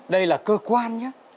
đây là cơ quan nhá